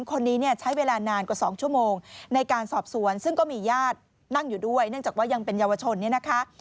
คนนี้เนี่ยใช้เวลานานกว่า๒ชั่วโมงในการสอบสวนซึ่งก็มีญาตินั่งอยู่ด้วยเนื่องจากว่ายังเป็นเยาวชนเนี่ยนะคะ